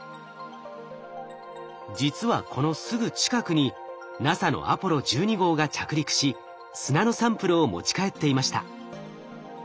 実はこのすぐ近くにＮＡＳＡのアポロ１２号が着陸し砂のサンプルを持ち帰っていました。